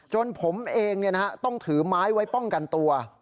จนผมเองต้องถือไม้ไว้ป้องกันตัว